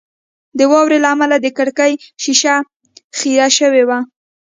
د واورې له امله د کړکۍ شیشه خیره شوې وه